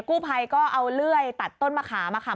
กู้ไพก็เอาเรื่อยตัดต้นมะขามันมา